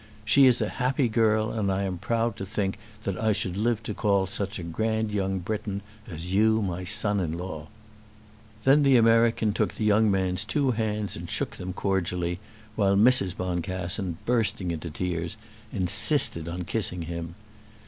She is a happy girl and I am proud to think that I should live to call such a grand young Briton as you my son in law." Then the American took the young man's two hands and shook them cordially, while Mrs. Boncassen bursting into tears insisted on kissing him.